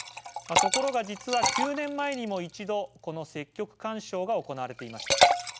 ところが、実は９年前にも一度この積極勧奨が行われていました。